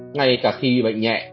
ngay cả khi bị bệnh nhẹ